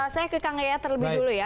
saya ke kang yaya terlebih dulu ya